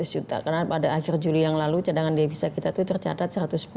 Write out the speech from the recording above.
tujuh ratus juta karena pada akhir juli yang lalu cadangan devisa kita itu tercatat